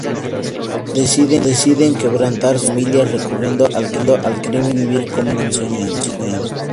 Deciden quebrantar sus familias recurriendo al crimen y así vivir como han soñado.